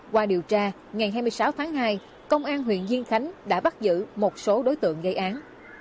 qua điều tra ngày hai mươi sáu tháng hai công an huyện diên khánh đã bắt giữ một số đối tượng gây án